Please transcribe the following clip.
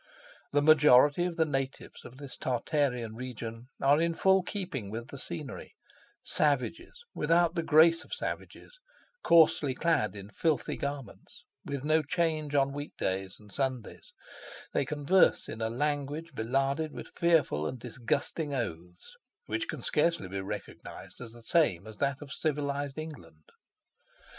The majority of the natives of this Tartarian region are in full keeping with the scenery savages, without the grace of savages, coarsely clad in filthy garments, with no change on week days and Sundays, they converse in a language belarded with fearful and disgusting oaths, which can scarcely be recognized as the same as that of civilized England.